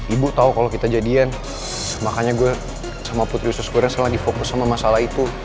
ibu tau kalau kita jadian makanya gue sama putri usus goreng selalu di fokus sama masalah itu